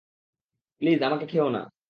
Please, আমাকে খেয়ো না!